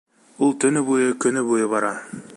Ул төнө буйы, көнө буйы бара.